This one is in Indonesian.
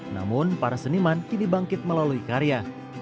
namun para seniman kini bangkit melalui karya